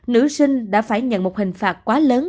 nữ sinh đã phải nhận một hình phạt quá lớn